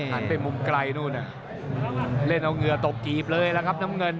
หันไปมุมไกลนู่นน่ะเล่นเอาเหงื่อตกกีบเลยล่ะครับน้ำเงิน